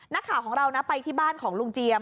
นักข่าวของเรานะไปที่บ้านของลุงเจียม